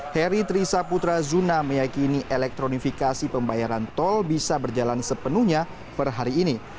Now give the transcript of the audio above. heri trisaputra zuna meyakini elektronifikasi pembayaran tol bisa berjalan sepenuhnya per hari ini